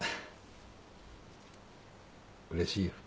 うれしいよ。